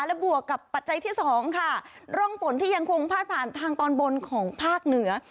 และบวกกับปัจจัยที่สองค่ะร่องฝนที่ยังคงพาดผ่านทางตอนบนของภาคเหนือ